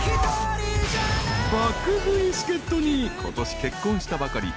［爆食い助っ人にことし結婚したばかり］